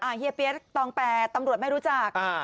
เฮียเปี๊ยกตอง๘ตำรวจไม่รู้จัก